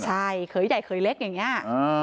ใช่เขยใหญ่เขยเล็กอย่างนี้